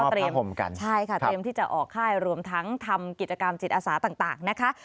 ใช่ค่ะเตรียมที่จะออกค่ายรวมทั้งทำกิจกรรมจิตอาสาต่างนะคะ